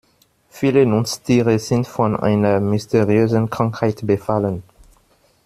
Viele Nutztiere sind von einer mysteriösen Krankheit befallen.